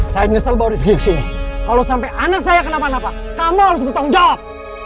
saya nyesel baru pergi kesini kalau sampe anak saya kenapa napa kamu harus bertanggung jawab